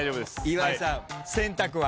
岩井さん選択は？